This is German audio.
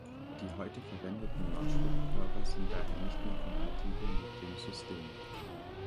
Die heute verwendeten Marschflugkörper sind daher nicht mehr kompatibel mit dem System.